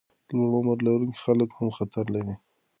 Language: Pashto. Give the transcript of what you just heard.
لوړ عمر لرونکي خلک هم خطر لري.